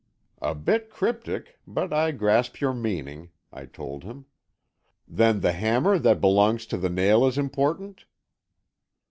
"A bit cryptic, but I grasp your meaning," I told him. "Then the hammer that belongs to the nail is important?"